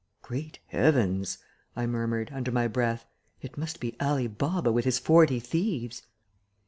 "Great Heavens!" I murmured, under my breath. "It must be Ali Baba with his forty thieves."